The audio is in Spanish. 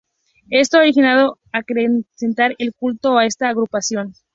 Esto ha originado acrecentar el culto a esta agrupación.